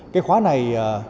cái khóa này